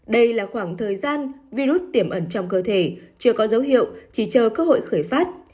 đây là khoảng thời gian virus tiềm ẩn trong cơ thể chưa có dấu hiệu chỉ chờ cơ hội khởi phát